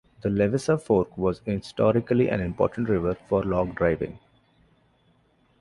The Levisa Fork was historically an important river for log driving.